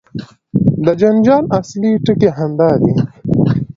د جنجال اصلي ټکی همدا دی.